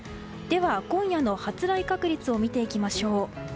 では、今夜の発雷確率を見ていきましょう。